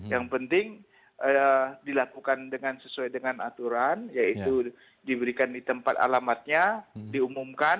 yang penting dilakukan sesuai dengan aturan yaitu diberikan di tempat alamatnya diumumkan